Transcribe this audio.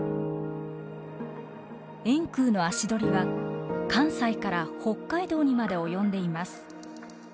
円空の足取りは関西から北海道にまで及んでいます。